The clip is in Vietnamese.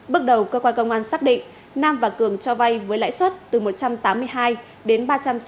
bước đầu cơ quan công an xác định nam và cường cho vay với lãi suất từ một trăm tám mươi hai đến ba trăm sáu mươi